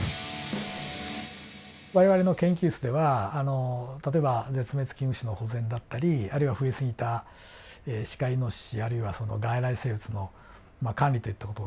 我々の研究室では例えば絶滅危惧種の保全だったりあるいは増え過ぎたシカイノシシあるいは外来生物の管理といった事を研究してますね。